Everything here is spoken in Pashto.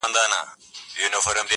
جهاني اوس دي په ژبه پوه سوم-